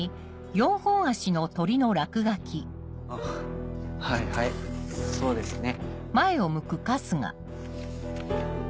あはいはいそうですね。